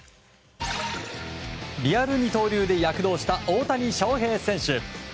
リアル二刀流で躍動した大谷翔平選手。